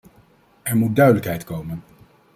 Er moet duidelijkheid komen.